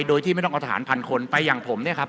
โดยที่ไม่ต้องเอาทหารพันคนไปอย่างผมเนี่ยครับ